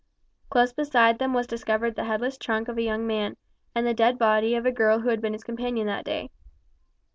Close beside them was discovered the headless trunk of a young man, and the dead body of a girl who had been his companion that day.